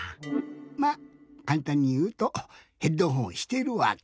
まかんたんにいうとヘッドホンしてるわけ。